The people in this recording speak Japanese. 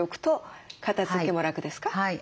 はい。